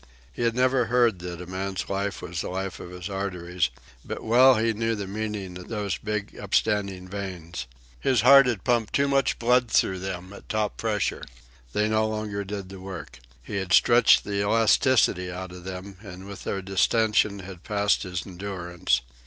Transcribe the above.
He had never heard that a man's life was the life of his arteries, but well he knew the meaning of those big upstanding veins. His heart had pumped too much blood through them at top pressure. They no longer did the work. He had stretched the elasticity out of them, and with their distension had passed his endurance.